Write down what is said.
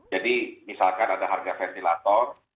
jadi misalkan ada harga ventilator